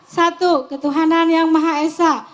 satu ketuhanan yang maha esa